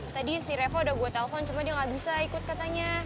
tadi si revo udah gue telepon cuma dia nggak bisa ikut katanya